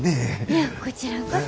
いやこちらこそ。